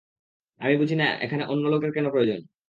আমি বুঝিনা এখানে অন্য লোকের কেন প্রয়োজন।